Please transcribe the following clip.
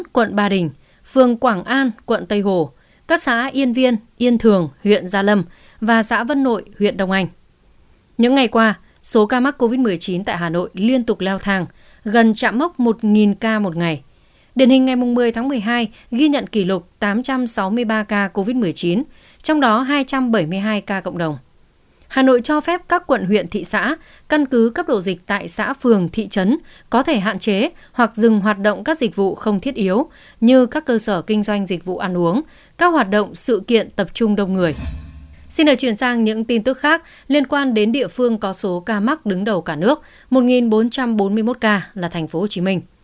xin hãy chuyển sang những tin tức khác liên quan đến địa phương có số ca mắc đứng đầu cả nước một bốn trăm bốn mươi một ca là tp hcm